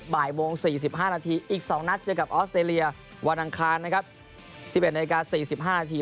บ่ายโมง๔๕นาทีอีก๒นัดเจอกับออสเตรเลียวันอังคารนะครับ๑๑นาที๔๕นาที